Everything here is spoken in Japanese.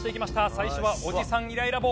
最初はおじさんイライラ棒。